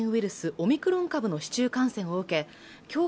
スオミクロン株の市中感染を受け